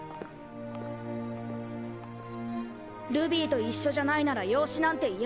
ルビーと一緒じゃないなら養子なんて嫌だ。